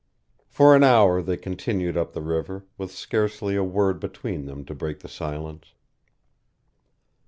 For an hour they continued up the river, with scarcely a word between them to break the silence.